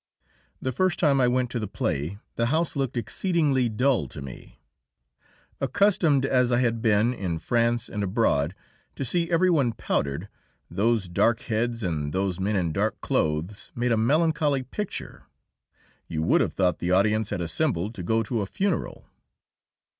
The first time I went to the play the house looked exceedingly dull to me. Accustomed as I had been, in France and abroad, to see every one powdered, those dark heads and those men in dark clothes made a melancholy picture. You would have thought the audience had assembled to go to a funeral.